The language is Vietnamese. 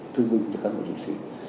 thương minh cho các bộ chính sĩ